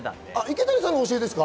池谷さんの教えですか？